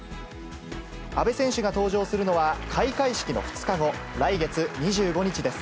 阿部選手が登場するのは、開会式の２日後、来月２５日です。